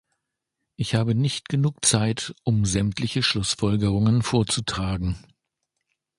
Ich habe nicht genug Zeit, um sämtliche Schlussfolgerungen vorzutragen.